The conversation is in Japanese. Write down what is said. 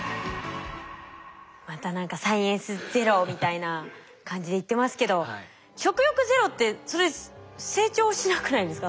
また何か「サイエンスＺＥＲＯ」みたいな感じで言ってますけど食欲ゼロってそれ成長しなくないですか？